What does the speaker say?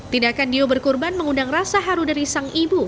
tindakan dio berkurban mengundang rasa haru dari sang ibu